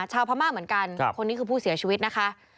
ชาวพม่าเหมือนกันคนนี้คือผู้เสียชีวิตนะคะ